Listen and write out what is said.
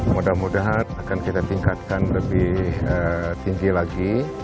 mudah mudahan akan kita tingkatkan lebih tinggi lagi